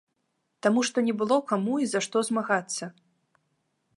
Таму што не было каму і за што змагацца.